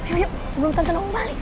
yuk yuk sebelum tante naum balik